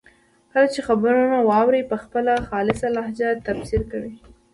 کله چې خبرونه واوري په خپله خالصه لهجه تبصرې کوي.